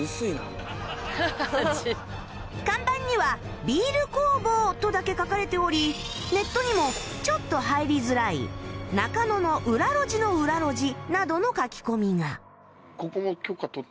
看板には「ビール工房」とだけ書かれておりネットにも「ちょっと入りづらい」「中野の裏路地の裏路地」などの書き込みが